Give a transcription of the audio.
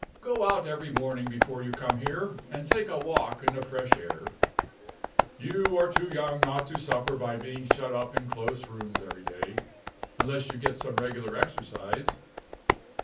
Go out every morning before you come here, and take a walk in the fresh air. You are too young not to suffer by being shut up in close rooms every day, unless you get some regular exercise.